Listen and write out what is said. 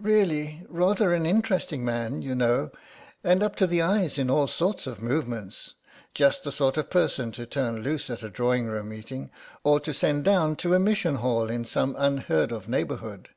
"Really, rather an interesting man, you know, and up to the eyes in all sorts of movements. Just the sort of person to turn loose at a drawing room meeting, or to send down to a mission hall in some unheard of neighbourhood.